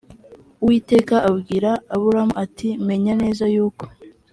uwiteka abwira aburamu ati menya neza yuko